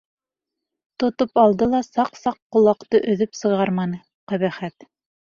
Тотоп алды ла саҡ-саҡ ҡолаҡты өҙөп сығарманы, ҡәбәхәт.